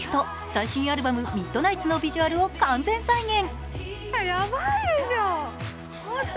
最新アルバム「ミッドナイツ」のビジュアルを完全再現。